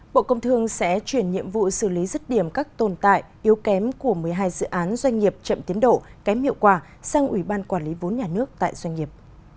bộ công thương sẽ chuyển nhiệm vụ xử lý rứt điểm các tồn tại yếu kém của một mươi hai dự án doanh nghiệp chậm tiến độ kém hiệu quả sang ủy ban quản lý vốn nhà nước tại doanh nghiệp